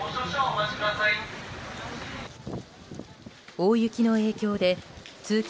大雪の影響で通勤